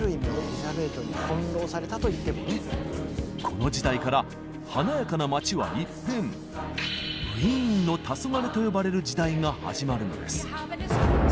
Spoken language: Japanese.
この時代から華やかな街は一変「ウィーンの黄昏」と呼ばれる時代が始まるのです。